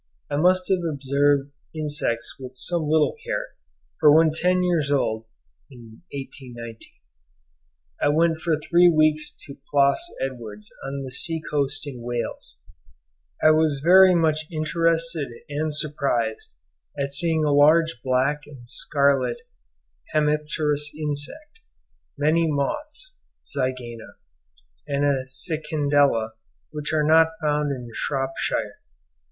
I must have observed insects with some little care, for when ten years old (1819) I went for three weeks to Plas Edwards on the sea coast in Wales, I was very much interested and surprised at seeing a large black and scarlet Hemipterous insect, many moths (Zygaena), and a Cicindela which are not found in Shropshire.